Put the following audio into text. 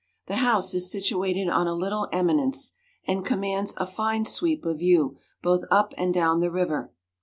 The house is situated on a little eminence, and commands a fine sweep of view both up and down the river.